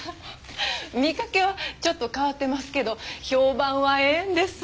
見かけはちょっと変わってますけど評判はええんです。